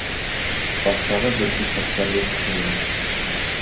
Баштағы бөркәнсектәрҙе төшөрөгөҙ!